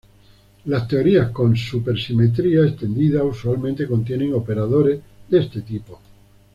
Las teorías con supersimetría extendida usualmente contienen operadores de este tipo.